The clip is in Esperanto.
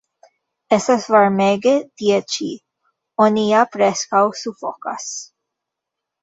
Estas varmege tie ĉi; oni ja preskaŭ sufokas.